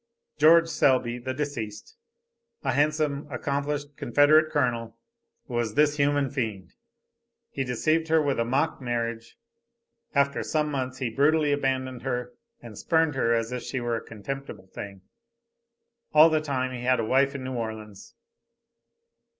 George Selby, the deceased, a handsome, accomplished Confederate Colonel, was this human fiend. He deceived her with a mock marriage; after some months he brutally abandoned her, and spurned her as if she were a contemptible thing; all the time he had a wife in New Orleans.